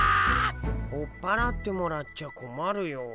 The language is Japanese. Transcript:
追っ払ってもらっちゃこまるよ。